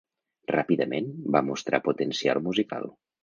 Ràpidament va mostrar potencial musical.